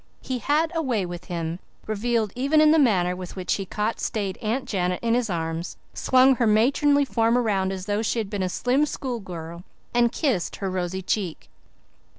He had "a way with him" revealed even in the manner with which he caught staid Aunt Janet in his arms, swung her matronly form around as though she had been a slim schoolgirl, and kissed her rosy cheek.